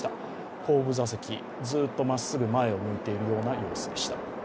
後部座席、ずっとまっすぐ前を向いているような様子でした。